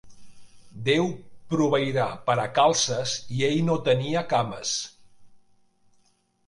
Déu proveirà per a calces i ell no tenia cames.